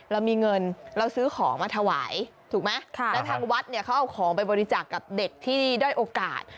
เรามีเงินเราซื้อของมาถวายถูกไหมแล้วทางวัดเนี่ยเขาเอาของไปบริจาคกับเด็กที่ด้อยโอกาส